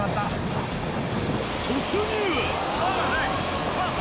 突入！